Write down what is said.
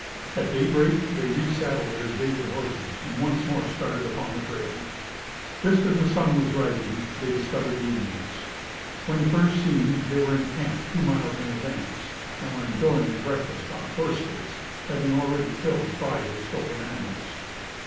At daybreak they re saddled their jaded horses and once more started upon the trail. Just as the sun was rising they discovered the Indians. When first seen they were encamped two miles in advance, and were enjoying a breakfast on horse steaks, having already killed five of the stolen animals.